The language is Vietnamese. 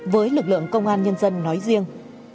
với lực lượng công an nhân dân nói riêng